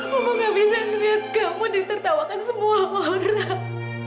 mama gak bisa biar kamu ditertawakan sama orang